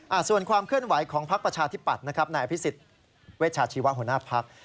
เอาส่วนความเคลื่อนไหวของภักร์ประชาธิบัตรนะครับนายอภิษฎิเวชชาชีวหุนาภักร์